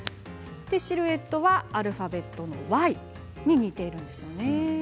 シルエットはアルファベットのＹに見て似てんですよね。